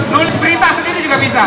nulis berita sendiri juga bisa